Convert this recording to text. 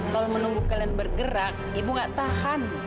kalau menunggu kalian bergerak ibu gak tahan